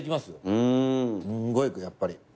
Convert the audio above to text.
すんごい行くやっぱり。